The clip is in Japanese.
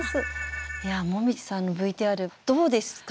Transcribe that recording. もみじさんのＶＴＲどうですか？